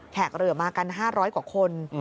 แขกเหลือมากัน๕๐๐กว่าคน